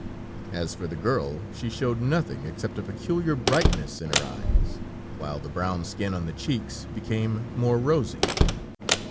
As for the girl, she showed nothing, except a peculiar brightness in her eyes, while the brown skin on the cheeks became more rosy.